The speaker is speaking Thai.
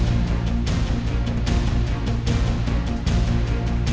สวัสดายสวัสดายถัง